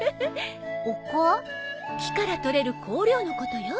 木から採れる香料のことよ。